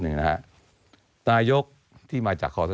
งั้นคุณซูอาจารย์